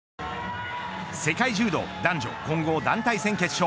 世界柔道男女混合団体戦決勝。